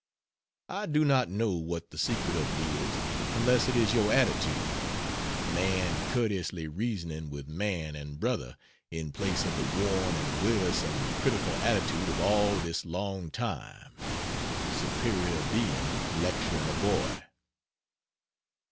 I do not know what the secret of it is, unless it is your attitude man courteously reasoning with man and brother, in place of the worn and wearisome critical attitude of all this long time superior being lecturing a boy.